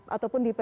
ataupun di ppkm